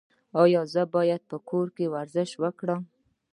ایا زه باید په کور کې ورزش وکړم؟